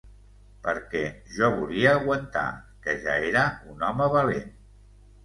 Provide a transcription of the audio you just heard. Perquè jo volia aguantar, que ja era un home valent.